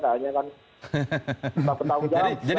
hanya kan jadi